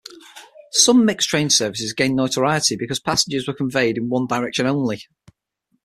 Some mixed train services gained notoriety because passengers were conveyed in one direction only.